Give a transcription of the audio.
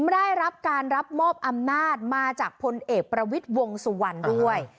ได้รับการรับมอบอำนาจมาจากพลเอกประวิทย์วงสุวรรณด้วย